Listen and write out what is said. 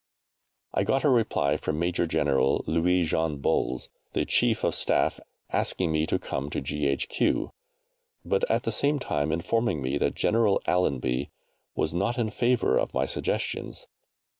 I got a reply from Major General Louis Jean Bols, the Chief of Staff, asking me to come to G.H.Q., but at the same time informing me that General Allenby was not in favour of my suggestions.